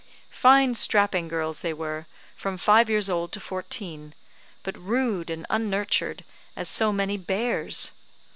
Fine strapping girls they were, from five years old to fourteen, but rude and unnurtured as so many bears.